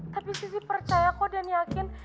tapi sisi percaya kok dan yakin